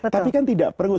tapi kan tidak perlu